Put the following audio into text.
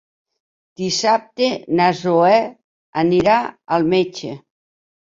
Dissabte na Zoè anirà al metge.